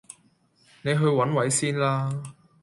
你去揾位先啦